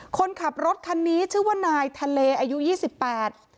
คนขับรถคันนี้ชื่อว่านายทะเลอายุยี่สิบแปด